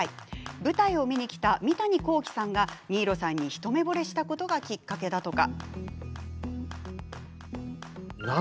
舞台を見に来た三谷幸喜さんが新納さんに一目ぼれしたことがきっかけだとか。